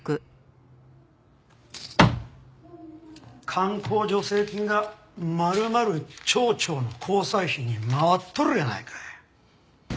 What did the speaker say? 観光助成金が丸々町長の交際費に回っとるやないか。